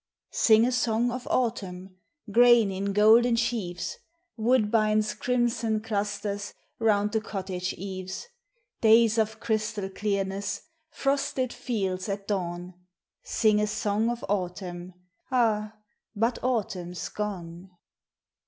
Sing a song of Autumn ! Grain in golden sheaves, Woodbine's crimson clusters Round the cottage eaves, Davs of crystal clearness, Frosted fields at dawn ; Sing a song of Autumn, — Ah, but Autumn 's gone!